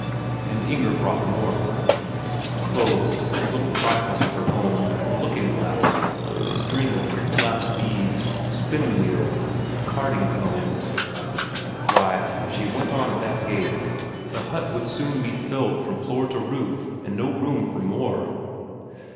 And Inger brought more; clothes, and little trifles of her own, a looking glass and a string of pretty glass beads, a spinning wheel, and carding combs. Why, if she went on that gait the hut would soon be filled from floor to roof and no room for more!